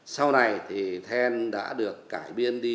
sau này thì then đã được cải biến đi